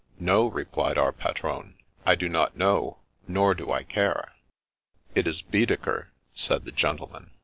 * No,' re plied our patron, * I do not know, nor do I care/ ' It is Baedeker/ said the gentleman.